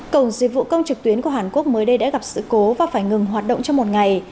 cổng dịch vụ công trực tuyến của hàn quốc mới đây đã gặp sự cố và phải ngừng hoạt động trong một ngày